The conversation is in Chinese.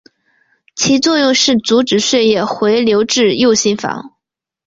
其作用是阻止血液回流至右心房。